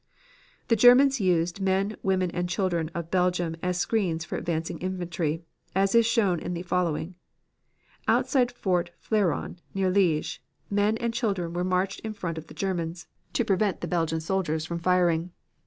"The Germans used men, women and children of Belgium as screens for advancing infantry, as is shown in the following: Outside Fort Fleron, near Liege, men and children were marched in front of the Germans to prevent the Belgian soldiers from firing.